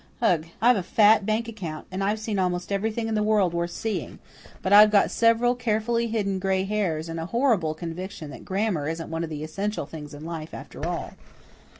Ugh! I've a fat bank account, and I've seen almost everything in the world worth seeing; but I've got several carefully hidden gray hairs and a horrible conviction that grammar isn't one of the essential things in life after all.